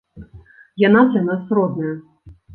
Яна для нас родная.